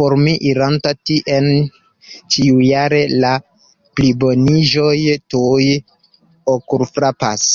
Por mi, iranta tien ĉiujare, la pliboniĝoj tuj okulfrapas.